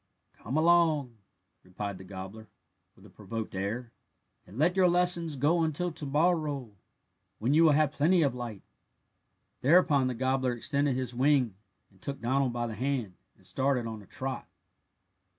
"Come along," replied the gobbler, with a provoked air, "and let your lessons go until to morrow, when you will have plenty of light." Thereupon the gobbler extended his wing and took Donald by the hand, and started on a trot.